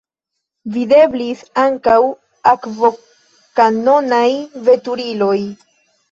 Videblis ankaŭ akvokanonaj veturiloj.